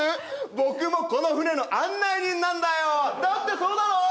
僕もこの船の案内人なんだよだってそうだろう？